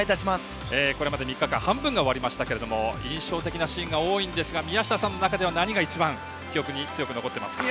これまで３日間半分が終わりましたが印象的なシーンが多いですが宮下さんの中では何が一番強く残っていますか。